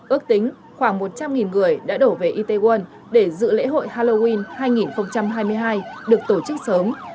ước tính khoảng một trăm linh người đã đổ về itaewon để dự lễ hội halloween hai nghìn hai mươi hai được tổ chức sớm